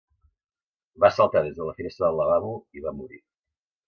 Va saltar des de la finestra del lavabo i va morir.